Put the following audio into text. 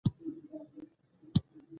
د مشروطیت غورځنګ اعلان کړ.